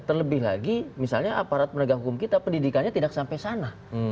terlebih lagi misalnya aparat penegak hukum kita pendidikannya tidak sampai sana